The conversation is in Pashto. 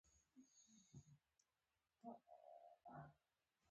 غل تل د نورو اعتماد خرابوي